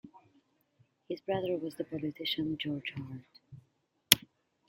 His brother was the politician George Hart.